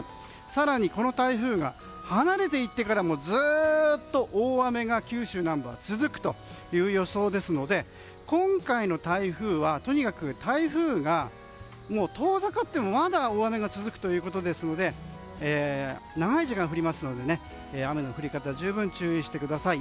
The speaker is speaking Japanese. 更に、この台風が離れていってからもずっと大雨が九州南部は続くという予想ですので今回の台風はとにかく台風が遠ざかっても大雨が続くということですので長い時間降りますので雨の降り方十分注意してください。